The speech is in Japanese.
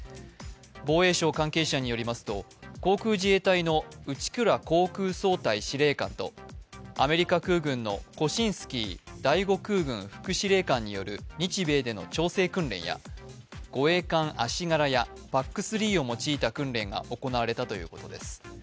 防衛省関係者によりますと、航空自衛隊の内倉航空総隊司令官と、アメリカ空軍のコシンスキー第５空軍副司令官による日米での調整訓練や護衛艦「あしがら」やＰＡＣ３を用いた訓練が行われたということです。